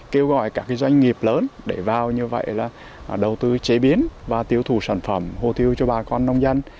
kêu gọi các doanh nghiệp lớn để vào như vậy là đầu tư chế biến và tiêu thụ sản phẩm hồ tiêu cho bà con nông dân